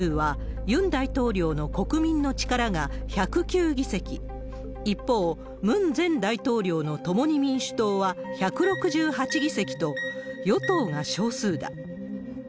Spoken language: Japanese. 国会の議席数は、ユン大統領の国民の力が１０９議席、一方、ムン前大統領の共に民主党は１６８議席と、与党が少数だ。